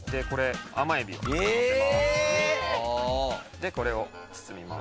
でこれを包みます。